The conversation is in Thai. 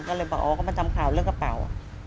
ก็เลยบอกอ๋อเขามาทำข่าวเรื่องกระเป๋า